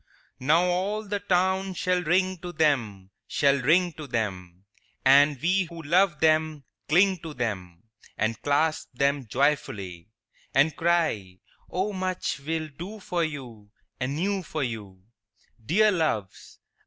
II Now all the town shall ring to them, Shall ring to them, And we who love them cling to them And clasp them joyfully; And cry, "O much we'll do for you Anew for you, Dear Loves!